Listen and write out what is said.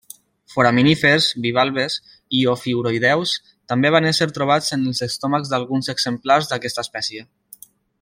Foraminífers, bivalves i ofiuroïdeus també van ésser trobats en els estómacs d'alguns exemplars d'aquesta espècie.